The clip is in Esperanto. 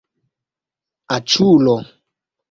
aĉulo